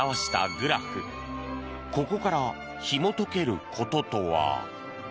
ここからひもとける事とは？